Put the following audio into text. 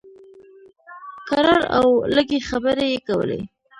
کرار او لږې خبرې یې کولې.